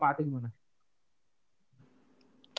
pengen coba di mana